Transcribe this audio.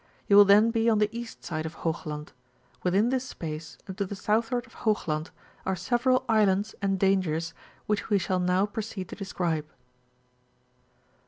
you will then be on the east side of Hoog land; withm this space, and to the southward of Hoogland, are several islands and dangers, which we ^all now proceed to describe.